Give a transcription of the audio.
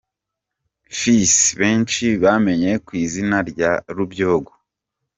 Fils benshi bamenye ku izina rya Rubyogo.